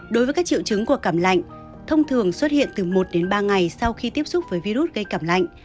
đối với các triệu chứng của cảm lạnh thông thường xuất hiện từ một đến ba ngày sau khi tiếp xúc với virus gây cảm lạnh